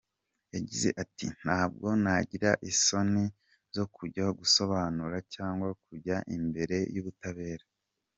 Yagize ati “Ntabwo nagira isoni zo kujya gusobanura cyangwa kujya imbere y’ubutabera.